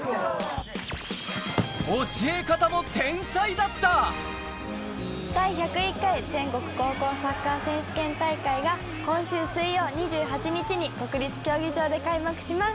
言われた通り第１０１回全国高校サッカー選手権大会が今週水曜２８日に国立競技場で開幕します。